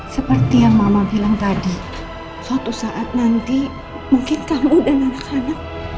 seperti yang mama bilang tadi suatu saat nanti mungkin kamu dan anak anak